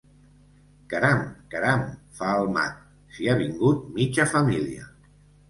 Caram caram —fa el mag—, si ha vingut mitja família!